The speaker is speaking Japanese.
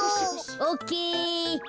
オッケー。